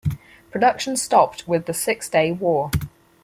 Production stopped with the Six Day War.